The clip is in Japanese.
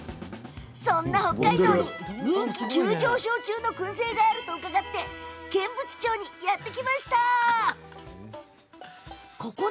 そんな北海道に、人気急上昇中のくん製があると伺ってやって来たのは剣淵町。